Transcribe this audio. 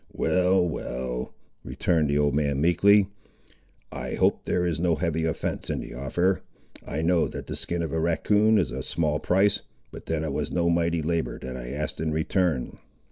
"Well, well," returned the old man, meekly; "I hope there is no heavy offence in the offer. I know that the skin of a racoon is of small price, but then it was no mighty labour that I asked in return."